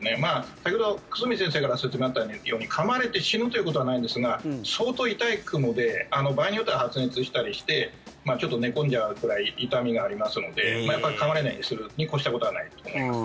先ほど久住先生から説明があったようにかまれて死ぬということはないんですが相当痛いクモで場合によっては発熱したりしてちょっと寝込んじゃうくらい痛みがありますのでやっぱりかまれないようにするに越したことはないと思いますね。